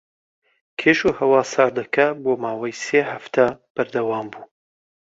کەشوهەوا ساردەکە بۆ ماوەی سێ هەفتە بەردەوام بوو.